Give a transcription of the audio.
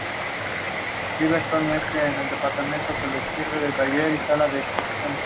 El canal muestra programas de historia militar y de combates significativos de la historia.